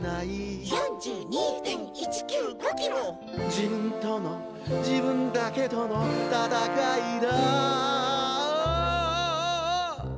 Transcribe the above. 「自分との自分だけとの戦いだ」